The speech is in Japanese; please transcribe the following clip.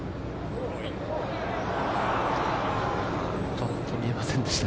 ちょっと見えませんでした。